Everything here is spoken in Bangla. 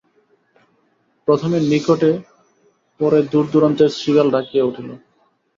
প্রথমে নিকটে, পরে দূর-দুরান্তরে শৃগাল ডাকিয়া উঠিল।